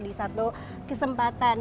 di satu kesempatan